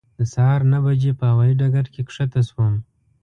د سهار نهه بجې په هوایي ډګر کې کښته شوم.